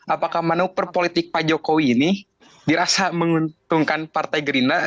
apakah manuver politik pak jokowi ini dirasa menguntungkan partai gerindra